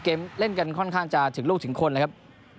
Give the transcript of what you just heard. เล่นกันค่อนข้างจะถึงลูกถึงคนเลยครับ